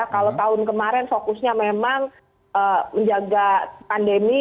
kalau tahun kemarin fokusnya memang menjaga pandemi